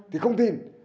thì không tin